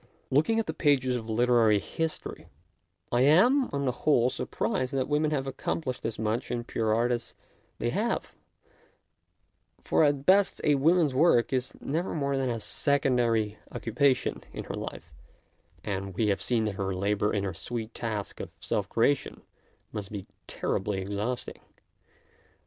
Looking at the pages of literary history, I am, on the whole, surprised that women have accomplished as much in pure art as they have, for at best a woman's work is never more than a secondary occupation in her life, and we have seen that her labour in her sweet task of self creation must be terribly exhausting.